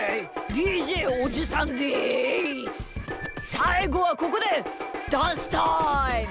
さいごはここでダンスタイム！